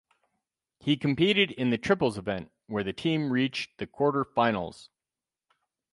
He competed in the triples event where the team reached the quarter finals.